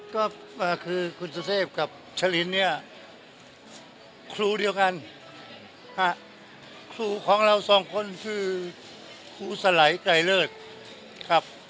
ก็คือคุณสุเทพกับฉลินเนี่ยครูเดียวกันครูของเราสองคนคือครูสไหลใจเลิศครับ